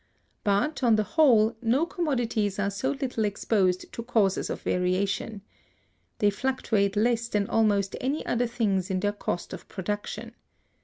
But, on the whole, no commodities are so little exposed to causes of variation. They fluctuate less than almost any other things in their cost of production.